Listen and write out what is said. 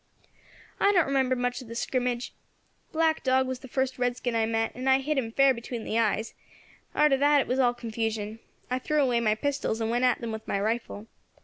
"I don't remember much of the scrimmage. Black Dog was the first redskin I met, and I hit him fair between the eyes; arter that it was all confusion, I threw away my pistols, and went at them with my rifle.